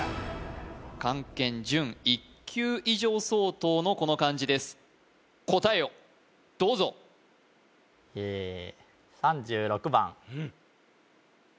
漢検準１級以上相当のこの漢字です答えをどうぞえっウソ・えっ！？